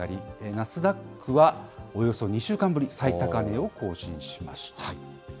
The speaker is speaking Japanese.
ナスダックはおよそ２週間ぶり、最高値を更新しました。